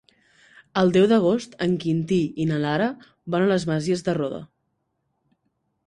El deu d'agost en Quintí i na Lara van a les Masies de Roda.